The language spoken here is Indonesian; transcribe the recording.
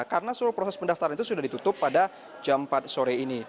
karena seluruh proses pendaftaran itu sudah ditutup pada jam empat sore ini